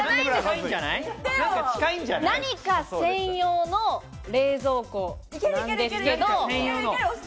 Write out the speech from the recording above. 何か専用の冷蔵庫なんですけれども。